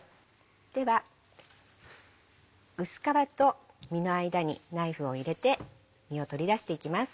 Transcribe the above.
では薄皮と実の間にナイフを入れて実を取り出していきます。